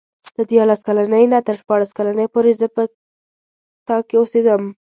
له دیارلس کلنۍ نه تر شپاړس کلنۍ پورې زه په تا کې اوسېدم.